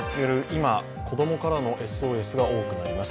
今、子供からのＳＯＳが多くなります。